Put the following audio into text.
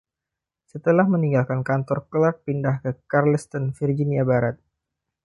Setelah meninggalkan kantor, Clark pindah ke Charleston, Virginia Barat.